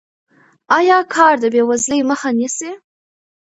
آیا کار د بې وزلۍ مخه نیسي؟